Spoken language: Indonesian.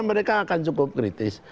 mereka akan cukup kritis